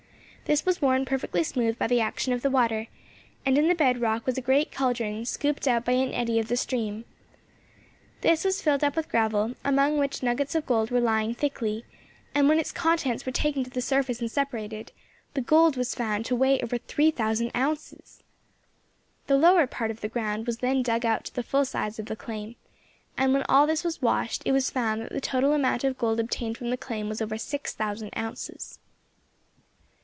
This was worn perfectly smooth by the action of the water, and in the bed rock was a great caldron scooped out by an eddy of the stream. This was filled up with gravel, among which nuggets of gold were lying thickly; and when its contents were taken to the surface and separated, the gold was found to weigh over three thousand ounces. The lower part of the ground was then dug out to the full size of the claim, and when all this was washed it was found that the total amount of gold obtained from the claim was over six thousand ounces.